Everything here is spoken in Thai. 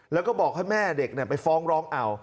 แล้วก็บอกให้แม่เด็กไปฟ้องร้องเอา